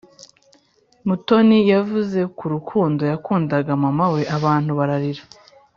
mutoni yavuze ku rukundo yakundaga mama we, abantu bararira